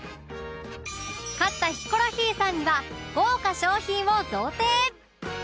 勝ったヒコロヒーさんには豪華商品を贈呈！